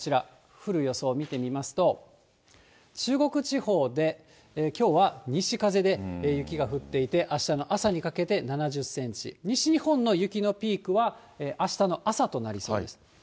降る予想を見てみますと、中国地方で、きょうは西風で、雪が降っていて、あしたの朝にかけて７０センチ、西日本の雪のピークはあしたの朝となりそうです。